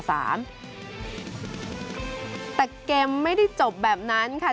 แต่เกมไม่ได้จบแบบนั้นค่ะ